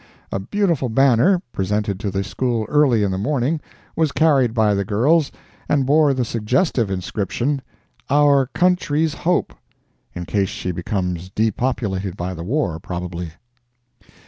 A beautiful banner, presented to the School early in the morning, was carried by the girls, and bore the suggestive inscription, "Our Country's Hope," (in case she becomes depopulated by the war, probably.)